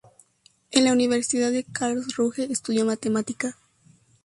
En la Universidad de Karlsruhe estudió matemática.